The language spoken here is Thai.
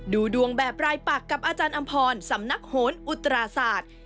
ดูดวงแบบรายปักกับอาจารย์อำพรสำนักโหนอุตราศาสตร์